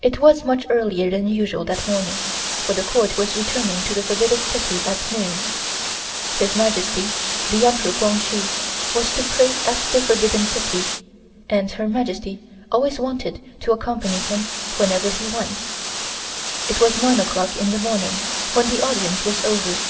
It was much earlier than usual that morning for the Court was returning to the Forbidden City at noon. His Majesty, the Emperor Kwang Hsu, was to pray at the Forbidden City and Her Majesty always wanted to accompany him wherever he went. It was nine o'clock in the morning when the audience was over.